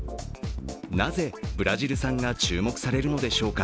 なぜ、ブラジル産が注目されるのでしょうか。